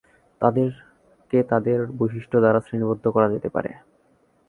তাদেরকে তাদের বৈশিষ্ট্য দ্বারা শ্রেণীবদ্ধ করা যেতে পারে।